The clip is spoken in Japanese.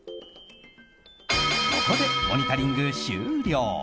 ここでモニタリング終了。